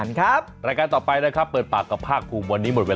ถ้าเธอไม่ไหวมากอดได้เลยถ้าเธอเรียกหาจะต่อหาเลย